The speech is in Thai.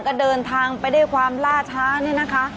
ก็เดินทางไปด้วยความล่าช้าเนี่ยนะคะ